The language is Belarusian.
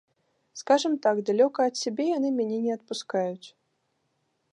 Скажам так, далёка ад сябе яны мяне не адпускаюць.